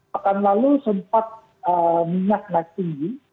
pekan lalu sempat minyak naik tinggi